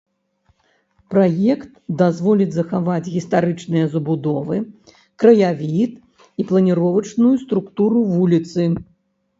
Праект дазволіць захаваць гістарычныя забудовы, краявід і планіровачную структуру вуліцы.